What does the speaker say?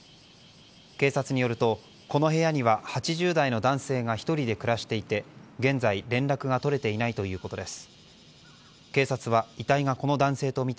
警察によるとこの部屋には８０代の男性が１人で暮らしていて現在、連絡が取れていないということです。